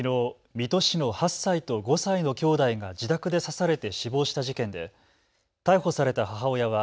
水戸市の８歳と５歳のきょうだいが自宅で刺されて死亡した事件で逮捕された母親は